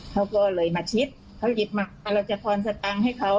เขาก็เลยมาชิดเขาหยิบมาเราจะพรสตังค์ให้เขา